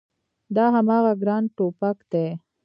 دا هماغه ګران ټوپګ دی